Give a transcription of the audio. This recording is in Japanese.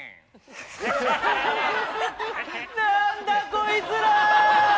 何だこいつら！